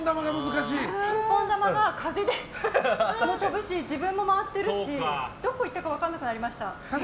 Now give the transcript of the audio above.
ピンポン球が風で飛ぶし自分も回ってるし、どこ行ったか分からなくなりました。